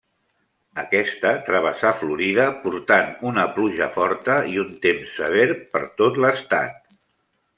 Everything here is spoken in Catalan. Aquesta travessà Florida portant una pluja forta i un temps sever per tot l'estat.